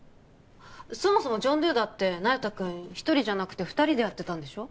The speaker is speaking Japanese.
そもそもジョン・ドゥだって那由他君一人じゃなくて二人でやってたんでしょ？